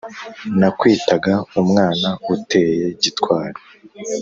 .Nakwitaga umwana uteye gitwari